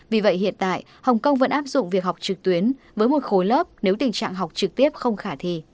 vì vậy hiện tại hồng kông vẫn áp dụng việc học trực tuyến với một khối lớp nếu tình trạng học trực tiếp không khả thi